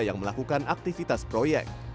yang melakukan aktivitas proyek